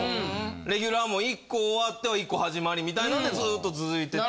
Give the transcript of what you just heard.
レギュラーも１個終わっては１個始まりみたいなんでずっと続いてて。